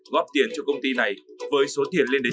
góp tiền cho công ty này với số tiền lên đến